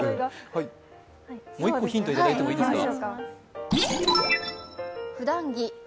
もう１個ヒントいただいてもいいですか。